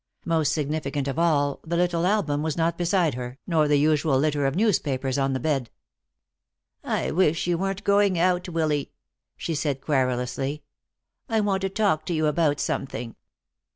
Most significant of all, the little album was not beside her, nor the usual litter of newspapers on the bed. "I wish you weren't going out, Willy," she said querulously. "I want to talk to you about something."